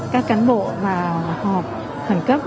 các cán bộ vào họp khẩn cấp